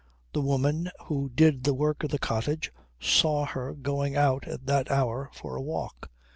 The woman who did the work of the cottage saw her going out at that hour, for a walk.